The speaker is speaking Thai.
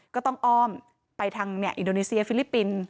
ก็ต้องอ้อมไปทางอินโดนีเซียฟิลิปปินส์